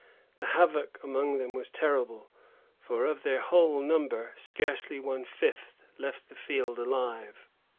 The havoc among them was terrible, for of their whole number scarcely one fifth left the field alive.